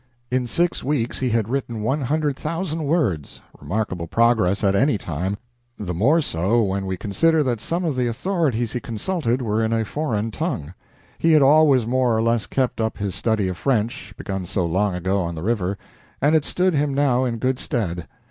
In six weeks he had written one hundred thousand words remarkable progress at any time, the more so when we consider that some of the authorities he consulted were in a foreign tongue. He had always more or less kept up his study of French, begun so long ago on the river, and it stood him now in good stead.